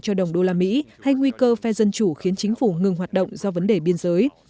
cho đồng đô la mỹ hay nguy cơ phe dân chủ khiến chính phủ ngừng hoạt động do vấn đề biên giới